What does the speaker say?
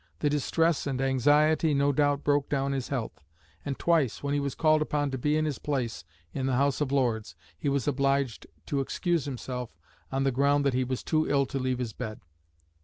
The distress and anxiety, no doubt, broke down his health; and twice, when he was called upon to be in his place in the House of Lords, he was obliged to excuse himself on the ground that he was too ill to leave his bed.